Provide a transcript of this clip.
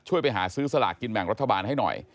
ไปหาซื้อสลากกินแบ่งรัฐบาลให้หน่อย